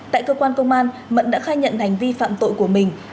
tại cơ quan công an mận đã khai nhận hành vi phạm tội của mình